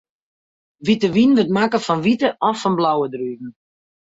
Wite wyn wurdt makke fan wite of fan blauwe druven.